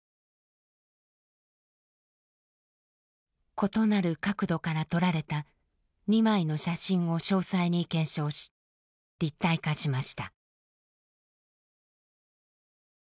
異なる角度から撮られた２枚の写真を詳細に検証し立体化しました。